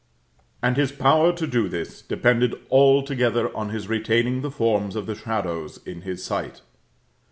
] And his power to do this depended altogether on his retaining the forms of the shadows in his sight.